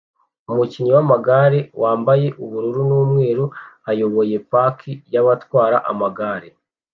Umukinnyi wamagare wambaye ubururu numweru ayoboye paki yabatwara amagare